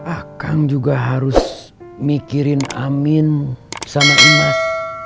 ah kang juga harus mikirin amin sama imas